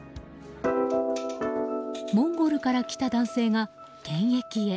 モンゴルから来た男性が検疫へ。